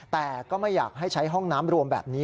แต่ก็ไม่อยากให้ใช้ห้องน้ำรวมแบบนี้